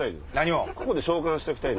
ここで消化しときたい。